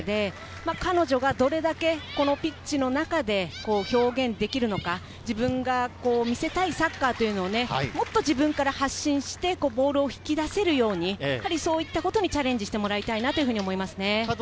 彼女がどれだけこのピッチの中で表現できるのか、自分が見せたいサッカーをもっと自分から発信して、ボールを引き出せるようにそういったことにチャレンジしてもらいたいと思います。